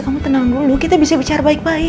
kamu tenang dulu kita bisa bicara baik baik